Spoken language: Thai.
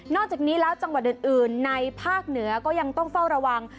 จากนี้แล้วจังหวัดอื่นในภาคเหนือก็ยังต้องเฝ้าระวัง